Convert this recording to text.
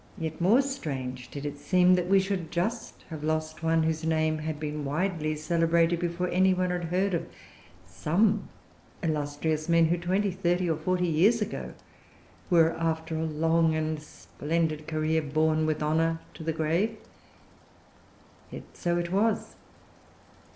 Yet more strange did it seem that we should just have lost one whose name had been widely celebrated before anybody had heard of some illustrious men who, twenty, thirty, or forty years ago, were, after a long and splendid career, borne with honor to the grave. Yet so it was.